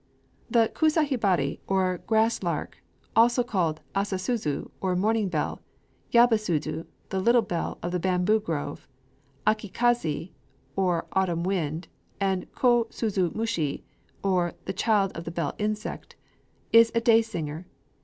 ] The kusa hibari, or "Grass Lark," also called Asa suzu, or "Morning Bell;" Yabu suzu, or "the Little Bell of the Bamboo grove;" Aki kazé, or "Autumn Wind;" and Ko suzu mushi, or "the Child of the Bell Insect," is a day singer.